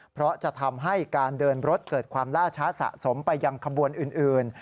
เพราะจะทำให้การเดินรถเกิดความล่าช้าสะสมไปยังขบวนอื่น